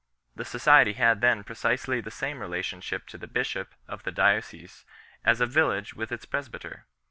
The society had then precisely the same relation to the bishop of the diocese as a village with its presbyter.